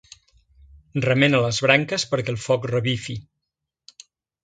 Remena les branques perquè el foc revifi.